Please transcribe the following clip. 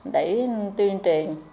để tuyên truyền